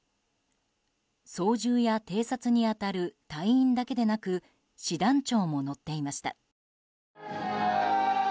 操縦や偵察に当たる隊員だけでなく師団長も乗っていました。